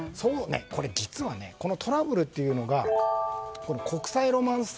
実は、トラブルというのが国際ロマンス